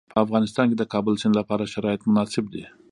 په افغانستان کې د کابل سیند لپاره شرایط مناسب دي.